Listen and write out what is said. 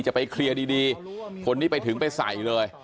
จะไปเคลียร์ดีคนนี้ไปถึงไปใส่เลย